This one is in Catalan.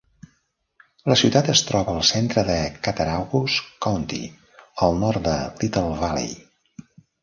La ciutat es troba al centre de Cattaraugus County, al nord de Little Valley.